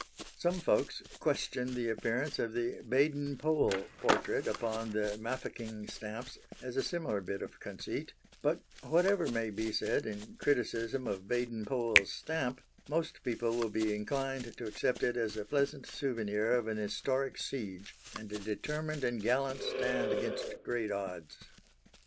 Some folks question the appearance of the Baden Powell portrait upon the Mafeking stamps as a similar bit of conceit; but whatever may be said in criticism of Baden Powell's stamp, most people will be inclined to accept it as a pleasant souvenir of an historic siege and a determined and gallant stand against great odds.